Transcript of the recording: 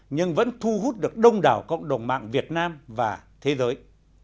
nhưng vẫn thu hút được đông đảo cộng đồng mạng việt nam và thế giới